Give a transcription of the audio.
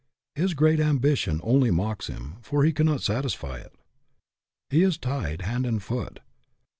His great ambition only mocks him, for he cannot satisfy it. He is tied hand and foot.